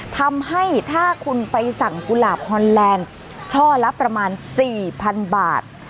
ทำให้ถ้าคุณไปสั่งกุหลาบฮอนแลนด์ช่อละประมาณ๔๐๐๐บาท